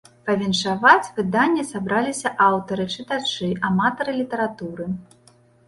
Павіншаваць выданне сабраліся аўтары, чытачы, аматары літаратуры.